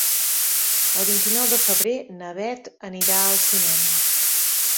El vint-i-nou de febrer na Beth anirà al cinema.